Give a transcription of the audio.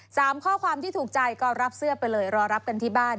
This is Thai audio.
ข้อความที่ถูกใจก็รับเสื้อไปเลยรอรับกันที่บ้าน